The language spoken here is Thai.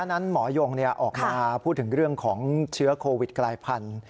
นั้นหมอยงออกมาพูดถึงเรื่องของเชื้อโควิดกลายพันธุ์